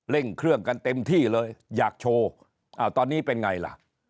่งเครื่องกันเต็มที่เลยอยากโชว์ตอนนี้เป็นไงล่ะ